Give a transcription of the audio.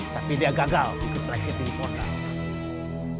tapi dia gagal ikut reksit di pondal